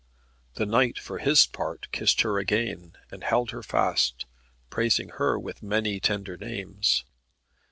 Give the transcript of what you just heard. The knight for his part kissed her again, and held her fast, praising her with many tender names.